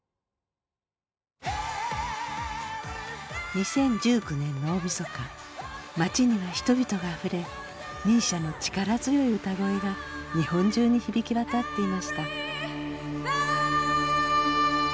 ２０１９年の大みそか街には人々があふれＭＩＳＩＡの力強い歌声が日本中に響き渡っていました。